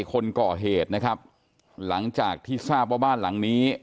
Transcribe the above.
คนก่อเหตุนะครับหลังจากที่ทราบว่าบ้านหลังนี้